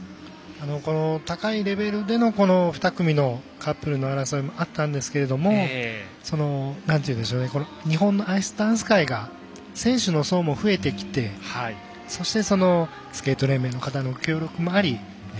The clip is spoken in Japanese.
この高いレベルでの２組のカップルの争いはあったんですけど日本のアイスダンス界が選手の層も増えてきてそして、スケート連盟の方の協力もあり。